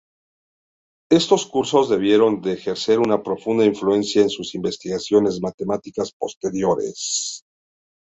Estos cursos debieron de ejercer una profunda influencia en sus investigaciones matemáticas posteriores.